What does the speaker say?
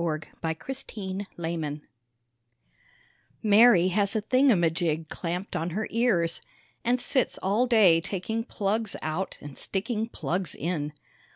Carl Sandburg Manual System Mary has a thingamajig clamped on her ears And sits all day taking plugs out and sticking plugs in.